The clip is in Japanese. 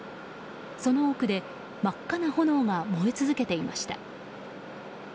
その奥で真っ赤な炎が燃え続けていました。